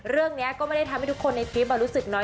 เรื่องนี้ก็ไม่ได้ทำให้ทุกคนในคลิปรู้สึกน้อย